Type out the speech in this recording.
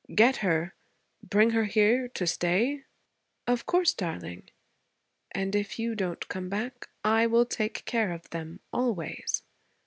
'Get her? Bring her here, to stay?' 'Of course, darling. And if you don't come back, I will take care of them, always.'